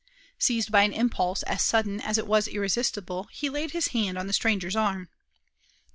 Seized by an impulse as sudden as it was irresistible, he laid his hand on the stranger's arm.